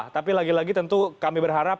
tapi lagi lagi tentu kami berharap